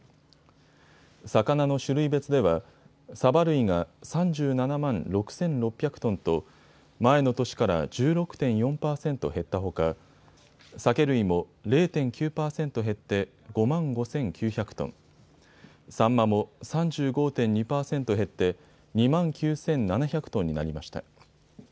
魚の種類別ではサバ類が３７万６６００トンと前の年から１６．４％減ったほかサケ類も０．９％減って５万５９００トン、サンマも３５．２％減って２万９７００トンになりました。